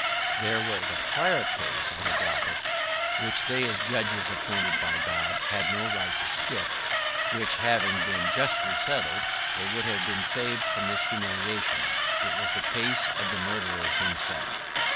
There was a prior case on the docket, which they, as judges appointed by God, had no right to skip; which having been justly settled, they would have been saved from this humiliation. It was the case of the murderer himself.